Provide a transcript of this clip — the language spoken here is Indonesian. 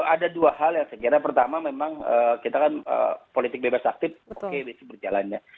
ada dua hal yang saya kira pertama memang kita kan politik bebas aktif oke berjalannya